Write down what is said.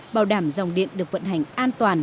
bảo đảm dòng điện được vận hành an toàn